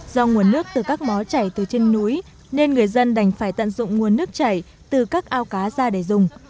do nguồn nước từ các món chảy từ trên núi nên người dân đành phải tận dụng nguồn nước chảy từ các ao cá ra để dùng